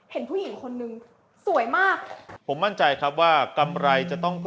เห็นผู้หญิงคนนึงสวยมากผมมั่นใจครับว่ากำไรจะต้อง